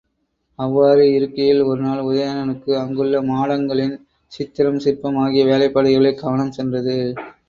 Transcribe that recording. அவ்வாறு இருக்கையில் ஒருநாள் உதயணனுக்கு அங்குள்ள மாடங்களின் சித்திரம், சிற்பம் ஆகிய வேலைப்பாடுகளில் கவனம் சென்றது.